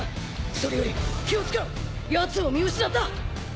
それより気をつけろヤツを見失った！